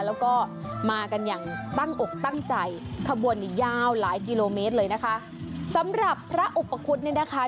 แล้วก็มากันอย่างตั้งอกตั้งใจขบวนนี้ยาวหลายกิโลเมตรเลยนะคะสำหรับพระอุปคุฎเนี่ยนะคะ